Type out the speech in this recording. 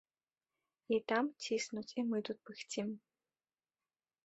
І там ціснуць, і мы тут пыхцім.